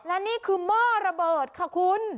และนี่คือหม้อระเบิดค่ะคุณ